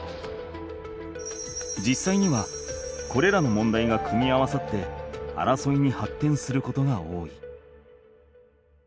じっさいにはこれらの問題が組み合わさって争いにはってんすることが多い。